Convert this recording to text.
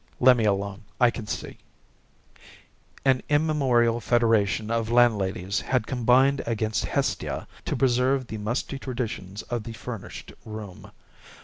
"Lemme alone. I can see." An immemorial federation of landladies has combined against Hestia to preserve the musty traditions of the furnished room.